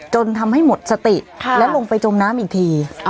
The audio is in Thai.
จนทำให้หมดสติและลงไปจมน้ำอีกที